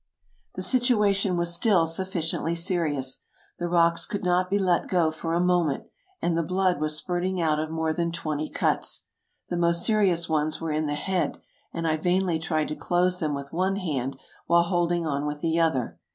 The situation was still sufficiently serious, The rocks could not be left go for a moment, and the blood was spurt ing out of more than twenty cuts. The most serious ones were in the head, and I vainly tried to close them with one hand while holding on with the other.